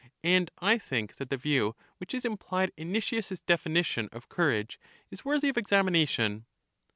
And I think that the view which is implied in Nicias' definition of courage is worthy of examination.